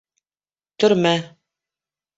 Төрмә...